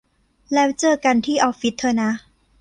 แล้วเจอกันที่ออฟฟิศเธอนะ